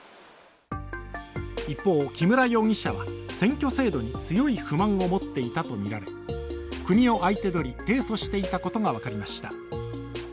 一方、木村容疑者は選挙制度に強い不満を持っていたとみられ国を相手取り、提訴していたことが分かりました。